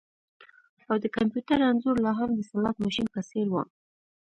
او د کمپیوټر انځور لاهم د سلاټ ماشین په څیر و